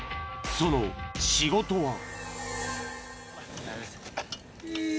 ［その仕事は］